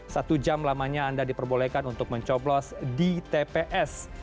satu jam lamanya anda diperbolehkan untuk mencoblos di tps